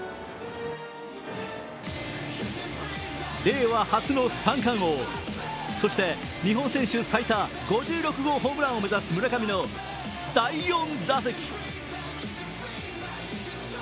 令和初の三冠王、そして日本選手最多５６号ホームランを目指す村上の第４打席。